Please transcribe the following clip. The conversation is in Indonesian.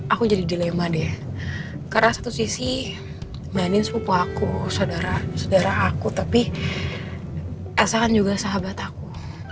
aku jadi dilema deh karena satu sisi mainin sepupu aku saudara saudara aku tapi asahan juga sahabat aku